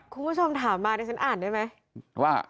คุณผู้ชมถามมานี่ฉันอ่านได้ไหม